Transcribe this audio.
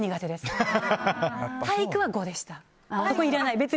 体育は５でした。